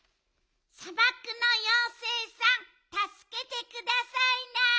さばくのようせいさんたすけてくださいな。